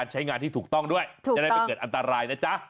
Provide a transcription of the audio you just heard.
ใช้งานที่ถูกต้องด้วยจะได้ไม่เกิดอันตรายนะจ๊ะ